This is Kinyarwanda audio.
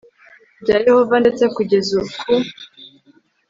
rya yehova ndetse kugeza ku